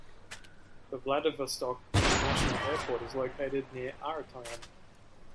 The Vladivostok International Airport is located near Artyom.